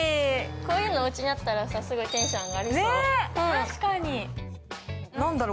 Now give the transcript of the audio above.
こういうのおうちにあったら、すごいテンション上がりそう。